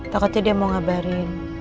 takutnya dia mau ngabarin